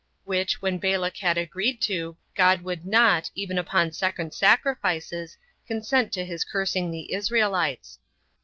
Which, when Balak had agreed to, God would not, even upon second sacrifices, consent to his cursing the Israelites.